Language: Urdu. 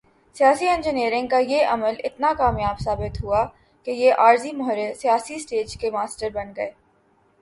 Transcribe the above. سیاسی انجینئرنگ کا یہ عمل اتنا کامیاب ثابت ہوا کہ یہ عارضی مہرے سیاسی سٹیج کے ماسٹر بن گئے۔